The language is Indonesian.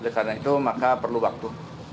karena itu maka perlu waktu